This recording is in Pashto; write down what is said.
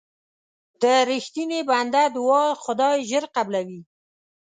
د رښتیني بنده دعا خدای ژر قبلوي.